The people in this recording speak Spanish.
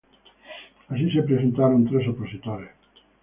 Así, se presentaron tres opositores: Mn.